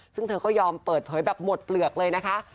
ซึ่งเธอก็ยอมเปิดเผยแบบหมดเปลือกเลยนะคะ